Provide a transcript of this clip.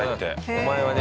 お前はね